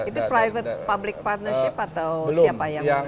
itu private public partnership atau siapa yang